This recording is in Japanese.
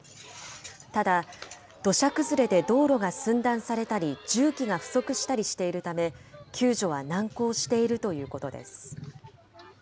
ただ、土砂崩れで道路が寸断されたり、重機が不足したりしているため、救助は難航しているということです。